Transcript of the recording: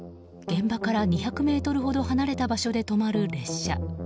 現場から２００ｍほど離れた場所で止まる列車。